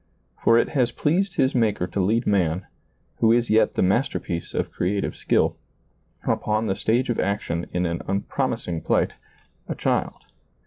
For it has pleased his Maker to lead man — who is yet the master piece of creative skill, upon the stage of action in an unpromising plight — a child.